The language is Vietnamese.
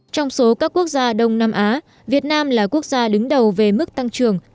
trong số các quốc gia đông nam á việt nam là quốc gia đứng đầu về mức tăng trưởng